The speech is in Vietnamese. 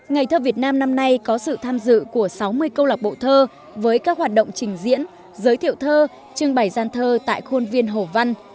ngày thơ việt nam năm nay có sự tham dự của sáu mươi câu lạc bộ thơ với các hoạt động trình diễn giới thiệu thơ trưng bày gian thơ tại khuôn viên hồ văn